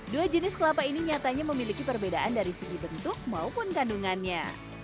dua jenis kelapa ini nyatanya memiliki perbedaan dari segi bentuk maupun kandungannya